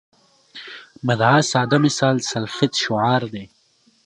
مدعا ساده مثال سلفیت شعار دی.